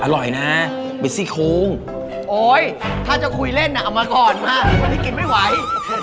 อร่อยนะเป็นซี่โค้งโอ๊ยถ้าจะคุยเล่นอ่ะเอามาก่อนฮะวันนี้กินไม่ไหว